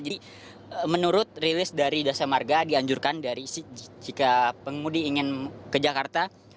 jadi menurut rilis dari dasar marga dianjurkan dari jika pengundi ingin ke jakarta